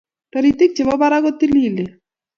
Taritik chepo parak ko tililen